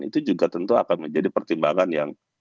itu juga tentu akan menjadi pertimbangan yang